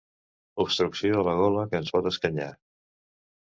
Obstrucció a la gola que ens pot escanyar.